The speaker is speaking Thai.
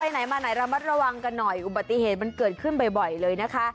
ไหนมาไหนระมัดระวังกันหน่อยอุบัติเหตุมันเกิดขึ้นบ่อยเลยนะคะ